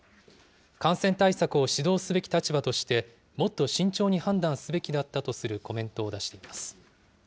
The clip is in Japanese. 感染対策を指導すべき立場として、もっと慎重に判断すべきだったとするコメントを出しています。